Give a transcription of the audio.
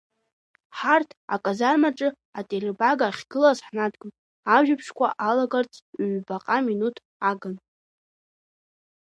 Ҳарҭ аказармаҿы ателербага ахьгылаз ҳнадгылт, ажәабжьқәа алагарц ҩҩбаҟа минуҭ агын.